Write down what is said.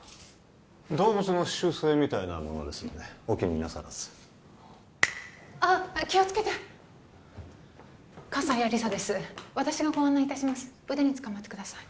動物の習性みたいなものですのでお気になさらずあっ気をつけて葛西亜理紗です私がご案内いたします腕につかまってください